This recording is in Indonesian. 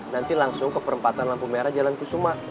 nanti langsung ke perempatan lampu merah jalan kusuma